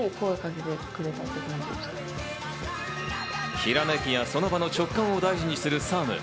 ひらめきや、その場の直感を大事にするＳＡＲＭ。